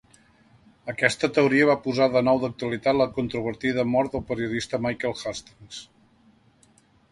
Aquesta teoria va posar de nou d'actualitat la controvertida mort del periodista Michael Hastings.